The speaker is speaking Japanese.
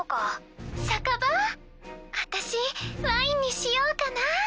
私ワインにしようかな。